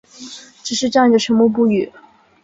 只是站着沉默不语